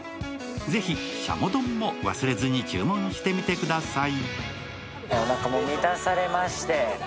ぜひ、軍鶏丼も忘れずに注文してみてください。